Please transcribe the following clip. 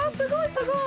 すごーい！